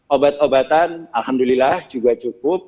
obat obatan alhamdulillah juga cukup